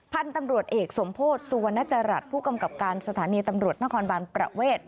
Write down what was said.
พันธุ์ตำรวจเอกสมโพธิสุวรรณจรัฐผู้กำกับการสถานีตำรวจนครบานประเวท